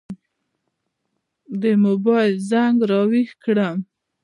د موبایل زنګ را وېښ کړم.